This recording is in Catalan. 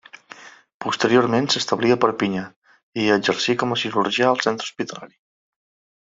Posteriorment s'establí a Perpinyà i hi exercí com a cirurgià al centre hospitalari.